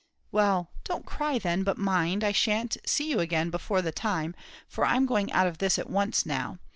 "Well, don't cry then; but mind, I shan't see you again before the time, for I'm going out of this at once now.